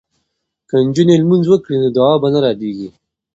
که نجونې لمونځ وکړي نو دعا به نه ردیږي.